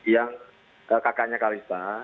yang kakaknya kalista